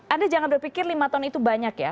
anda jangan berpikir lima tahun itu banyak ya